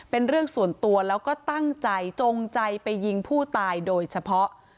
เป็นเรื่องส่วนตัวแล้วก็ตั้งใจจงใจไปยิงผู้ตายโดยเฉพาะ